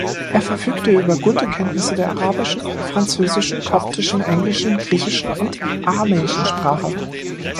Er verfügte über gute Kenntnisse der arabischen, französischen, koptischen, englischen, griechischen und aramäischen Sprache.